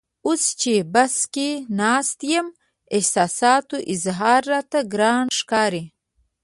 اوس چې بس کې ناست یم احساساتو اظهار راته ګران ښکاري.